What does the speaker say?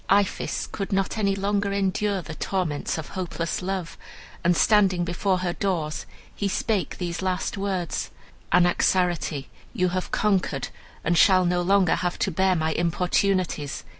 "Iphis could not any longer endure the torments of hopeless love, and, standing before her doors, he spake these last words: 'Anaxarete, you have conquered, and shall no longer have to bear my importunities.